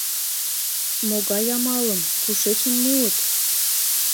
Могай амалым, кушечын муыт?